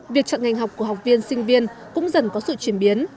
việc chọn ngành học của học viên sinh viên cũng dần có sự chuyển biến